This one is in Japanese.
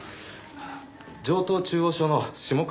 城東中央署の下川です。